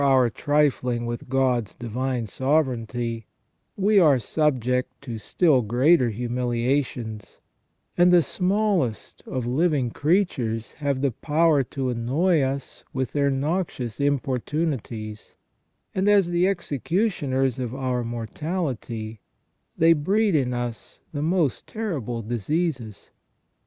SECONDARY IMAGE OF GOD IN MAN 65 trifling with God's divine sovereignty, we are subject to still greater humiliations, and the smallest of living creatures have the power to annoy us with their noxious importunities ; and as the executioners of our mortality, they breed in us the most terrible diseases.